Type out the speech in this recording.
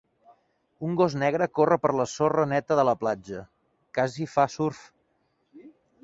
Un gos negre corre per la sorra neta de la platja, casi fa surf.